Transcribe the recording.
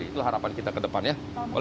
itulah harapan kita ke depan ya